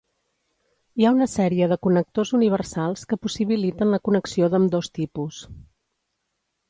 Hi ha una sèrie de connectors universals que possibiliten la connexió d'ambdós tipus.